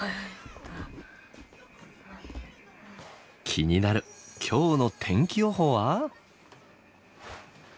気になる今日の天気予報は？